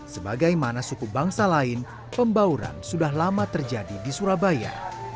sebagaimana suku bangsa lain pembauran sudah lama terjadi di surabaya